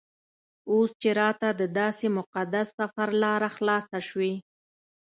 اوس چې راته دداسې مقدس سفر لاره خلاصه شوې.